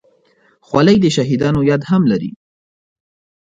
خولۍ د شهیدانو یاد هم لري.